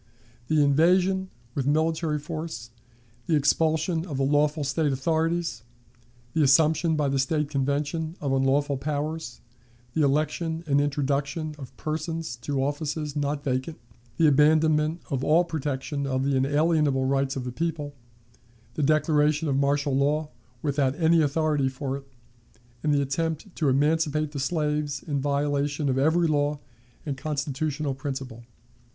the invasion with military force, the expulsion of the lawful State authorities, the assumption by the State Convention of unlawful powers, the election and introduction of persons to offices not vacant, the abandonment of all protection of the unalienable rights of the people, the declaration of martial law without any authority for it, and the attempt to emancipate the slaves in violation of every law and constitutional principle.